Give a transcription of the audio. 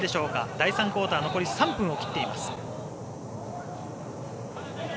第３クオーター残り３分を切っています。